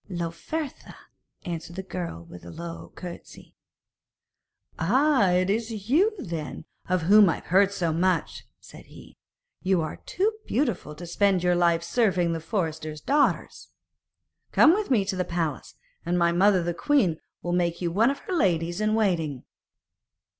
'Lauphertha,' answered the girl with a low curtesy. 'Ah! it is you, then, of whom I have heard so much,' said he; 'you are too beautiful to spend your life serving the forester's daughters. Come with me to the palace, and my mother the queen will make you one of her ladies in waiting.'